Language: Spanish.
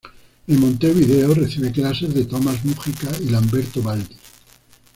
En Montevideo recibe clases de Tomás Múgica y Lamberto Baldi.